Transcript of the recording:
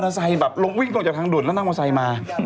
ทอยนนี้รถอยู่บนทางด่วนใช่ไหม